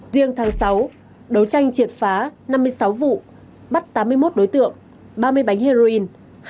riêng tháng sáu đấu tranh triệt phá năm mươi sáu vụ bắt tám mươi một đối tượng ba mươi bánh heroin